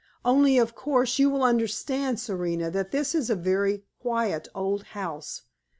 Only, of course, you will understand, Serena, that this is a very quiet old house.